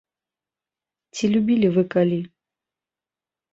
Ці любілі вы калі?